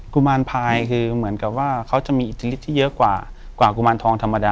กุมารพายคือเหมือนกับว่าเขาจะมีอิทธิฤทธิที่เยอะกว่ากุมารทองธรรมดา